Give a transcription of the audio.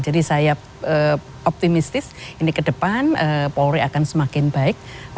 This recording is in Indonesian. jadi saya optimistis ini ke depan polri akan semakin baik